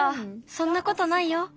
そんなことないよ。